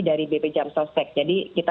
dari bp jam sostek jadi kita